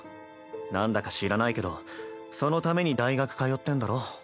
なんだか知らないけどそのために大学通ってんだろ？